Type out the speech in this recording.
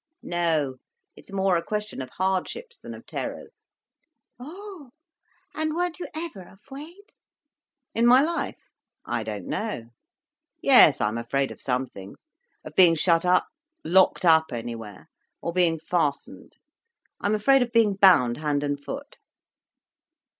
"No. It's more a question of hardships than of terrors." "Oh! And weren't you ever afraid?" "In my life? I don't know. Yes, I'm afraid of some things—of being shut up, locked up anywhere—or being fastened. I'm afraid of being bound hand and foot."